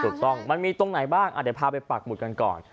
ถูกต้องมันมีตรงไหนบ้างเดี๋ยวพาไปปักหมุดกันก่อน